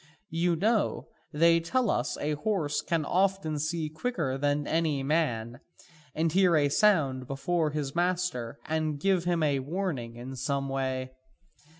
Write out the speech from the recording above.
You know, they tell us a horse can often see quicker than any man, and hear a sound before his master, and give him warning in some way.